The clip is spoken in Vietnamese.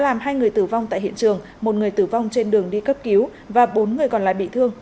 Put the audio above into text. làm hai người tử vong tại hiện trường một người tử vong trên đường đi cấp cứu và bốn người còn lại bị thương